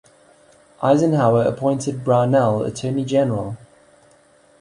Eisenhower appointed Brownell Attorney General.